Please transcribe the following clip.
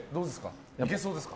いけそうですか？